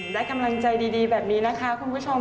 ได้กำลังใจดีแบบนี้นะคะคุณผู้ชม